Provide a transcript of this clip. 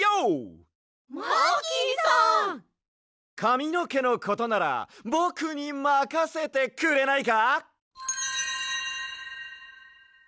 かみのけのことならぼくにまかせてくれないか？